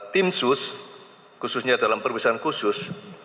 tim sus khususnya dalam perbisaan khusus